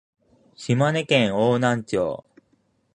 島根県邑南町